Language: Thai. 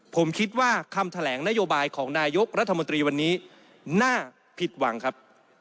ผมคิดว่าคำแถลงนโยบายของนายกรัฐมนตรีวันนี้น่าผิดหวังครับ